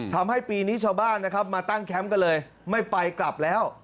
ทำให้ปีนี้ชาวบ้านนะครับมาตั้งแคมป์กันเลยไม่ไปกลับแล้ว